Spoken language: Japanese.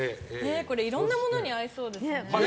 いろんなものに合いそうですね。